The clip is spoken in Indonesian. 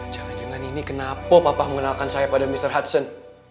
jangan jangan ini kenapa papa mengenalkan saya pada mr hardson